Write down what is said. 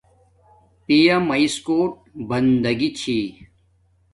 پیا میس کوٹ بندگی چھی